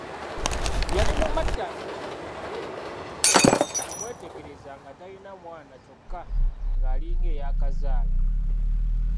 Yali mu mattansejjere naye okumwetegereza nga talina mwana kyokka ng'alinga eyaakazaala.